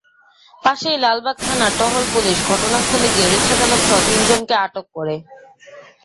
পাশেই লালবাগ থানার টহল পুলিশ ঘটনাস্থলে গিয়ে রিকশাচালকসহ তিনজনকে আটক করে।